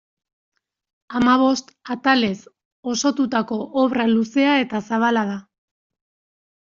Hamabost atalez osotutako obra luzea eta zabala da.